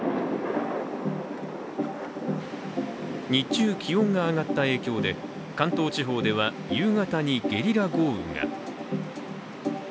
日中、気温が上がった影響で関東地方では夕方にゲリラ豪雨が。